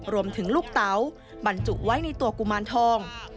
รวมถึงลูกเตาบรรจุไว้ในตัวกุมารทอง